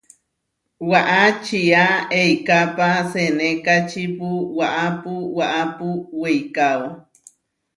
Waʼá čiá eikápa senékačipu waʼápu waʼápu weikáo.